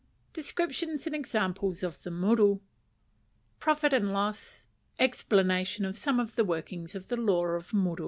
Descriptions and Examples of the Muru. Profit and Loss. Explanation of some of the Workings of the Law of Muru.